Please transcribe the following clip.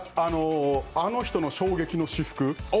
あの人の衝撃の私服。